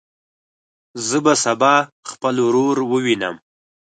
زه به سبا خپل ورور ووینم.